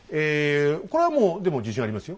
これはもうでも自信ありますよ。